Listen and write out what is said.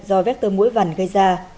do vector mũi vằn gây ra